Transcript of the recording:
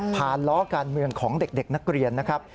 ล้อการเมืองของเด็กนักเรียนนะครับ